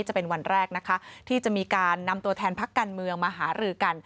จะเป็นวันแรกนะคะที่จะมีการนำตัวแทนพักการเมืองมาหารือกัน